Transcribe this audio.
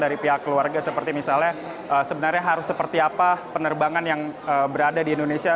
dari pihak keluarga seperti misalnya sebenarnya harus seperti apa penerbangan yang berada di indonesia